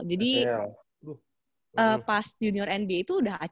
jadi pas junior nba itu udah acl